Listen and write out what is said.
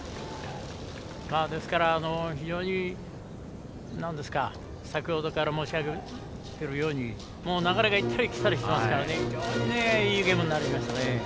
ですから、非常に先ほどから申し上げているように流れが行ったり来たりしてますから非常にいいゲームになりましたね。